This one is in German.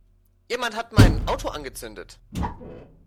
Jemand hat mein Auto angezündet!